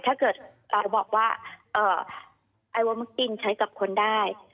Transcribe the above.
ถ้าเกิดเราจะบอกว่าไอโวมักกินใช้กับคนได้